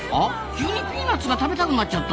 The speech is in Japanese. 急にピーナッツが食べたくなっちゃった。